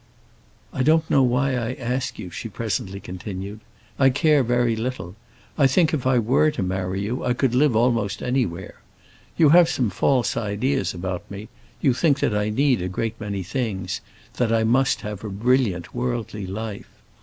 "I don't know why I ask you," she presently continued. "I care very little. I think if I were to marry you I could live almost anywhere. You have some false ideas about me; you think that I need a great many things—that I must have a brilliant, worldly life.